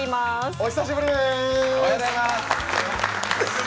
お久しぶりでーす。